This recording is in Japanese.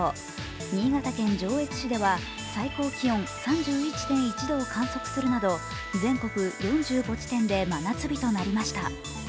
新潟県上越市では最高気温３１．１度を観測するなど全国４５地点で真夏日となりました。